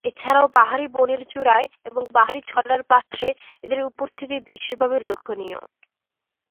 এছাড়াও পাহাড়ি বনের চূড়ায় এবং পাহাড়ি ছড়ার পাশে এদের উপস্থিতি বিশেষভাবে লক্ষনীয়।